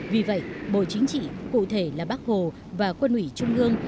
vì vậy bộ chính trị cụ thể là bắc hồ và quân ủy trung hương